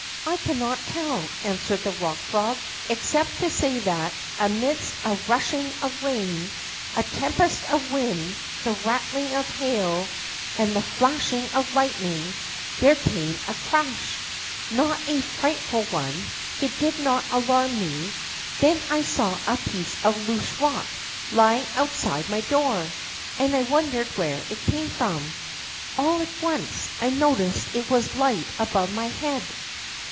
I cannot tell," answered the Rock Frog, ex cept to say that, amidst a rushing of rain, a tempest of wind, the rattling of hail, and the flashing of 104 THE ROCK FROG lightning, there came a crash, j^ot a frightful one. It did not alarm me. Then I saw a piece of loose rock lying outside my door, and wondered where it came from. All at once I noticed it was light above my head.